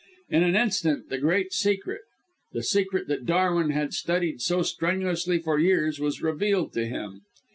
In an instant the great secret the secret that Darwin had studied so strenuously for years was revealed to him.